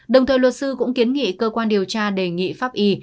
đồng thời luật sư cũng kiến nghị cơ quan điều tra đề nghị pháp y